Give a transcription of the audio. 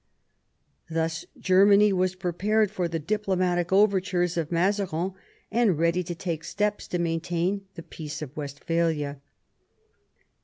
Thus Germany was pre pared for the diplomatic overtures of Mazarin, and ready to take steps to maintain the Peace of Westphalia.